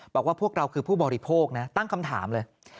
บอกว่าพวกเราคือผู้บริโภคนะตั้งคำถามเลย